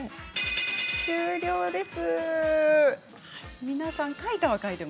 終了です。